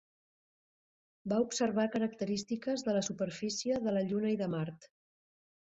Va observar característiques de la superfície de la Lluna i de Mart.